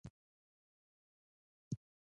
مالیه د حکومت د عوایدو اصلي سرچینه ده.